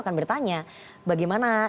akan bertanya bagaimana